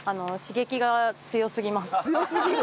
強すぎる？